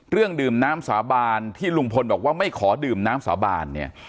เรื่องดื่มน้ำสาบานที่ลุงพลบอกว่าไม่ขอดื่มน้ำสาบานเนี่ย